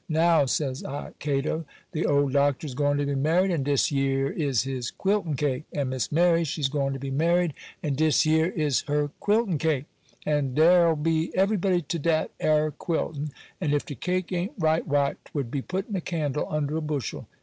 Now," says I, "Cato, the old Doctor is going to be married, and dis yer is his quiltin' cake, and Miss Mary, she's going to be married, and dis yer is her quiltin' cake. And dare'll be everybody to dat ar quiltin', and if de cake a'n't right, why, 'twould be puttin' a candle under a bushel.